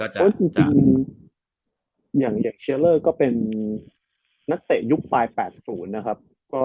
เพราะจริงอย่างเด็กเชียร์เลอร์ก็เป็นนักเตะยุคปลาย๘๐นะครับ